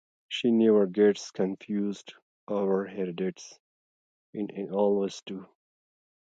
She never gets confused over her dates, and I always do.